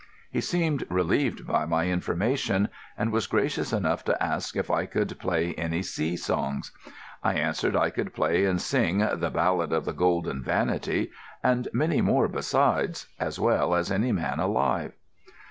He seemed relieved by my information, and was gracious enough to ask if I could play any sea songs. I answered I could play and sing the "Ballad of the Golden Vanity" and many more besides, as well as any man alive.